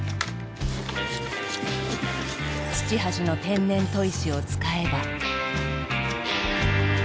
土橋の天然砥石を使えば。